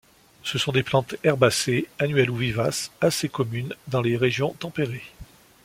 Ce sont des plantes herbacées, annuelles ou vivaces, assez communes dans les régions tempérées.